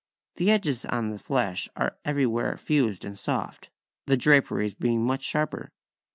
The edges on the flesh are everywhere fused and soft, the draperies being much sharper.